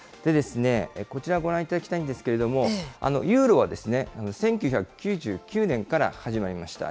こちら、ご覧いただきたいんですけれども、ユーロは１９９９年から始まりました。